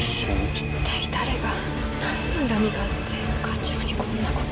一体誰が何の恨みがあって課長にこんなこと。